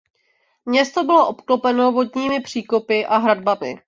Město bylo obklopeno vodními příkopy a hradbami.